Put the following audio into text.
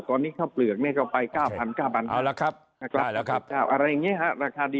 ตอนนี้เขาเปลือกนี่เขาไป๙๙๐๐บาทอะไรอย่างนี้ฮะราคาดี